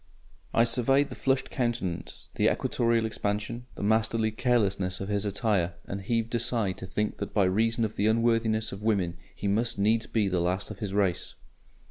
I surveyed the flushed countenance, the equatorial expansion, the masterly carelessness of his attire, and heaved a sigh to think that by reason of the unworthiness of women he must needs be the last of his race.